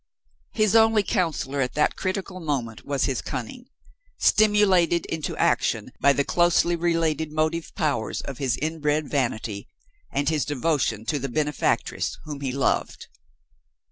His only counselor at that critical moment was his cunning; stimulated into action by the closely related motive powers of his inbred vanity, and his devotion to the benefactress whom he loved.